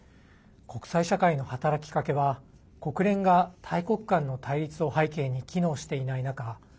国際社会の働きかけは国連が大国間の対立を背景に機能していない中